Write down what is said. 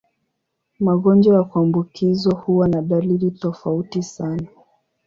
Magonjwa ya kuambukizwa huwa na dalili tofauti sana.